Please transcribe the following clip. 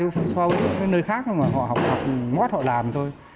phần sau cái nơi khác mà họ học ngót họ làm thôi